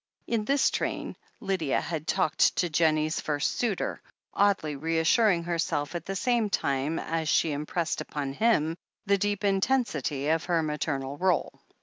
In this strain Lydia had talked to Jennie's first suitor, oddly reassuring herself at the same time as she im pressed upon him the deep intensity of her maternal role.